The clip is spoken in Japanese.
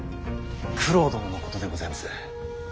九郎殿のことでございます。